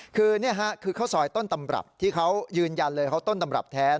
คือข้าวซอยต้นตำหลับที่เขายืนยันเลยต้นตำหลับแท้